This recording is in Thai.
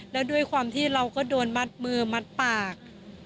แล้วด้วยความที่เราก็โดนมัดมือมัดปาก